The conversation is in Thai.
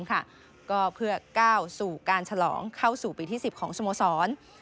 ก็เพื่อก้าวสู่การฉลองเข้าสู่ปีที่๑๐ของสโมสร